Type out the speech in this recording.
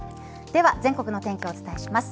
では全国の天気をお伝えします。